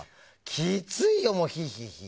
きついよ、もうヒーヒー。